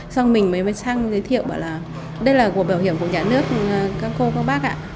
xong mình mới mới sang giới thiệu bảo là đây là của bảo hiểm của nhà nước các cô các bác ạ